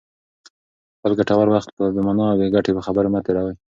خپل ګټور وخت په بې مانا او بې ګټې خبرو مه تېروئ.